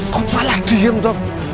kok malah diem tok